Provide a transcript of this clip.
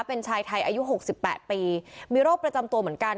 เป็นชายไทยอายุ๖๘ปีมีโรคประจำตัวเหมือนกัน